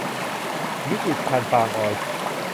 วิจิตรภัณฑ์ปาล์มออยล์